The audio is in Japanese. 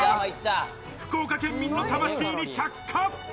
福岡県民の魂に着火！